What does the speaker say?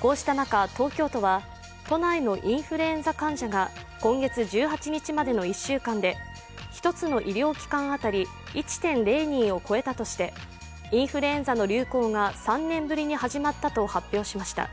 こうした中、東京都は都内のインフルエンザ患者が今月１８日までの１週間で一つの医療機関当たり１．０人を超えたとして、インフルエンザの流行が３年ぶりに始まったと発表しました。